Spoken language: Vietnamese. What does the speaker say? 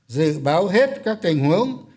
dự báo hết các tình huống